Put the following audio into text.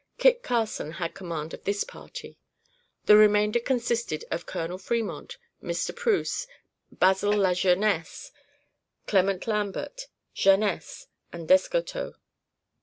Kit Carson had command of this party. The remainder consisted of Colonel Fremont, Mr. Preuss, Basil Lajeunesse, Clement Lambert, Janesse, and Descoteaux.